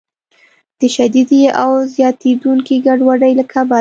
د شدیدې او زیاتیدونکې ګډوډۍ له کبله